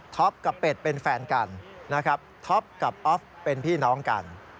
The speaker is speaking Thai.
กับเป็ดเป็นแฟนกันนะครับท็อปกับออฟเป็นพี่น้องกัน